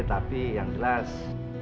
tapi yang jelas